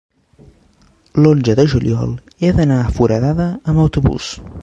l'onze de juliol he d'anar a Foradada amb autobús.